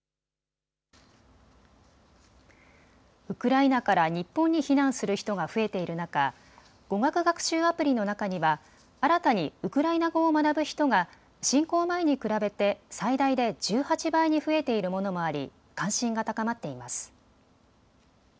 ウクライナから日本に避難する人が増えている中、語学学習アプリの中には新たにウクライナ語を学ぶ人が侵攻前に比べて最大で１８倍に増えているものもあり関心が高まっています。